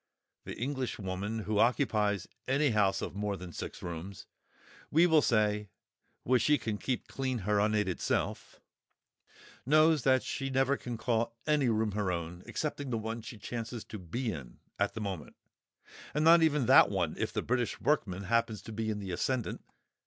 The Englishwoman who occupies any house of more than six rooms, we will say (which she can keep clean her unaided self), knows that she never can call any room her own, excepting the one she chances to be in at the moment—and not even that one if the British workman happens to be in the ascendant!